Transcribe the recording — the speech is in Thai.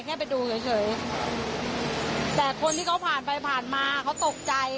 แค่ไปดูเฉยเฉยแต่คนที่เขาผ่านไปผ่านมาเขาตกใจ